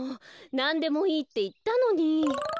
「なんでもいい」っていったのに！